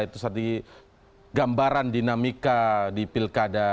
itu tadi gambaran dinamika di pilkada